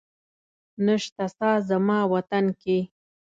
نسته ساه زما وطن کي